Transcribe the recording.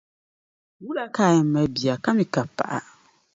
Wula ka o yɛn mali bia ka mi ka paɣa?